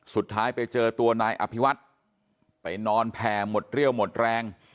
สุดท้ายไปเจอตัวนายอภิวัตรไปนอนแผ่หมดเรี่ยวหมดแรง